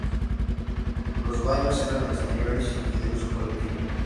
Los baños eran exteriores y de uso colectivo.